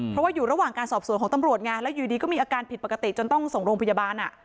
เพราะว่าอยู่ระหว่างการสอบสวนของตำรวจไงแล้วอยู่ดีก็มีอาการผิดปกติจนต้องส่งโรงพยาบาล